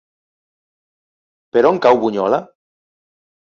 Per on cau Bunyola?